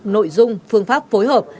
nội dung phương pháp phối hợp